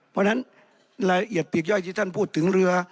เพราะฉะนั้นรายละเอียดเปียกย่อยที่ท่านพูดถึงเรือ